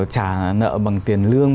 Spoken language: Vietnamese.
trả nợ bằng tiền lương